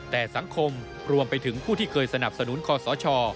แต่สังคมรวมไปถึงผู้ที่เคยสนับสนุนคอสช